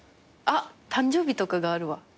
あっ誕生日とかがあるわ。